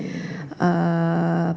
pada saat itu